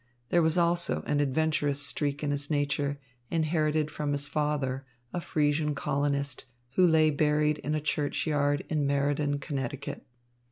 There was also an adventurous streak in his nature, inherited from his father, a Friesian colonist, who lay buried in a churchyard in Meriden, Connecticut.